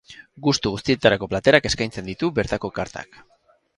Gustu guztietarako platerak eskaintzen ditu bertako kartak.